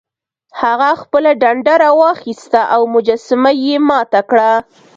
هغه خپله ډنډه راواخیسته او مجسمه یې ماته کړه.